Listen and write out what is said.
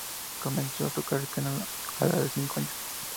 Comenzó a tocar el piano a la edad de cinco años.